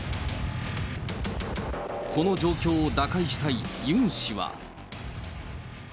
この状況を打開したいユン氏は。